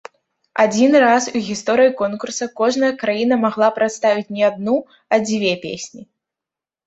Адзіны раз у гісторыі конкурса кожная краіна магла прадставіць не адну, а дзве песні.